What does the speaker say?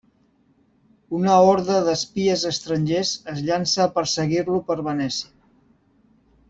Una horda d'espies estrangers es llança a perseguir-lo per Venècia.